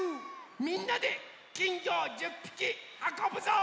みんなできんぎょを１０ぴきはこぶぞ！